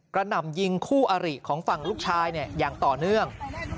หน่ำยิงคู่อริของฝั่งลูกชายอย่างต่อเนื่อง